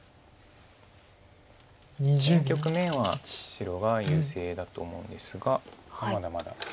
局面は白が優勢だと思うんですがまだまだ。